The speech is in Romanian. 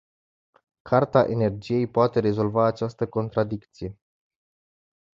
Carta energiei poate rezolva această contradicție.